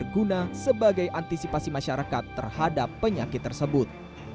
guna sebagai antisipasi masyarakat terhadap penyakit tersebut